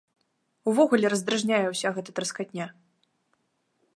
Увогуле, раздражняе ўся гэта траскатня.